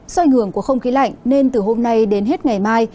do ảnh hưởng của không khí lạnh nên từ hôm nay đến hết ngày mai